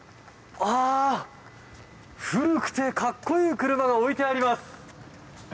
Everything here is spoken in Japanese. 古くて格好いい車が置いてあります。